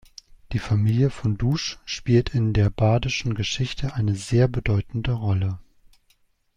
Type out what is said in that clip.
Die Familie von Dusch spielte in der badischen Geschichte eine sehr bedeutende Rolle.